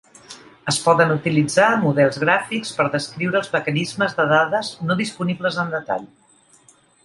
Es poden utilitzar models gràfics per descriure els mecanismes de dades no disponibles en detall.